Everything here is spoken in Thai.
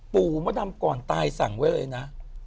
มดดำก่อนตายสั่งไว้เลยนะ